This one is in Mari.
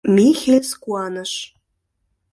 — Михельс куаныш.